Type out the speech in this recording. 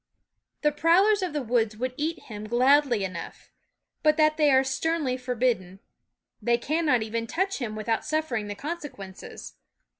The prowlers of the woods would eat him gladly enough, but that they are sternly for bidden. They cannot even touch him with out suffering the consequences.